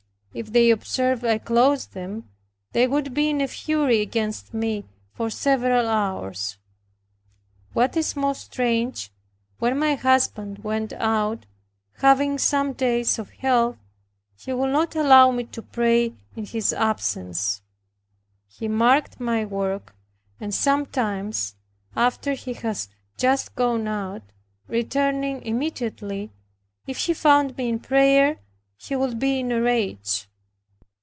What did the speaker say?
If they observed I closed them, they would be in a fury against me for several hours. What is most strange, when my husband went out, having some days of health, he would not allow me to pray in his absence. He marked my work, and sometimes, after he was just gone out, returning immediately, if he found me in prayer he would be in a rage.